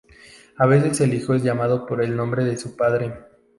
A veces el hijo es llamado por el nombre de su padre.